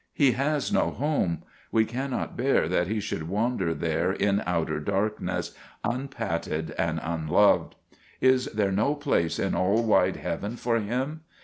He has no home. We cannot bear that he should wander there in outer darkness, unpatted and un loved. Is there no place in all wide heaven for him